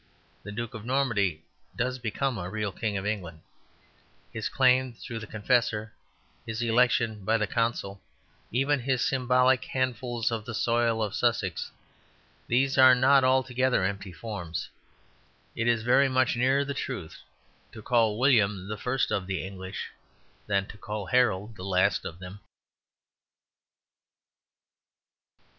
The Duke of Normandy does become a real King of England; his claim through the Confessor, his election by the Council, even his symbolic handfuls of the soil of Sussex, these are not altogether empty forms. And though both phrases would be inaccurate, it is very much nearer the truth to call William the first of the English than to call Harold the last of them.